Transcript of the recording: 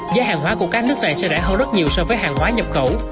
giá hàng hóa của các nước này sẽ rẻ hơn rất nhiều so với hàng hóa nhập khẩu